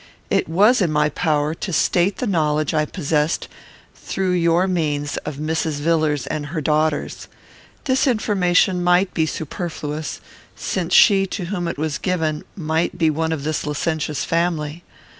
It was in my power to state the knowledge I possessed, through your means, of Mrs. Villars and her daughters. This information might be superfluous, since she to whom it was given might be one of this licentious family.